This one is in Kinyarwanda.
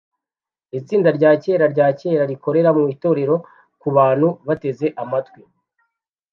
Itsinda rya kera rya kera rikorera mu itorero kubantu bateze amatwi